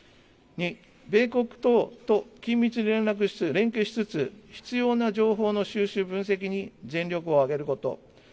２、米国等と緊密に連携しつつ、必要な情報の収集、分析に全力を挙げること。